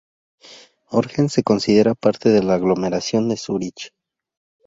Horgen se considera parte de la aglomeración de Zúrich.